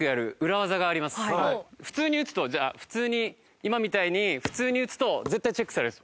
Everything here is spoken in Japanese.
普通に打つとじゃあ普通に今みたいに普通に打つと絶対チェックされます。